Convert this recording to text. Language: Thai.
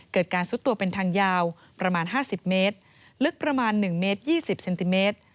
เกิดการซุดตัวเป็นทางยาวประมาณ๕๐เมตรลึกประมาณ๑เมตร๒๐เซนติเมตร